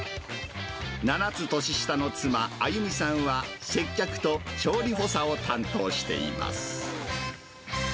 ７つ年下の妻、亜友美さんは接客と調理補佐を担当しています。